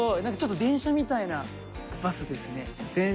なんかちょっと電車みたいなバスですね。